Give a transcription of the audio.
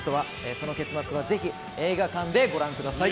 その結末はぜひ映画館でご覧ください。